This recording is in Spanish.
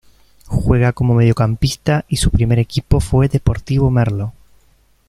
Juega como mediocampista y su primer equipo fue Deportivo Merlo.